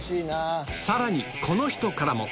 さらにこの人からも。